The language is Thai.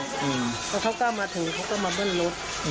แล้วเขาก็มาถึงเขาก็มาเบิ้ลรถ